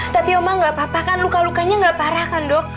tapi oma gak apa apa kan luka lukanya nggak parah kan dok